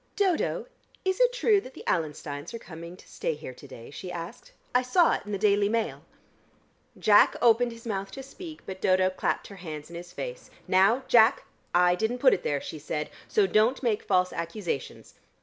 "Dodo, is it true that the Allensteins are coming to stay here to day?" she asked. "I saw it in the Daily Mail." Jack opened his mouth to speak, but Dodo clapped her hands in his face. "Now, Jack, I didn't put it there," she said, "so don't make false accusations.